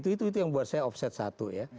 itu itu yang buat saya offside satu ya